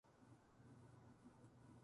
私は、営業アシスタントをしています。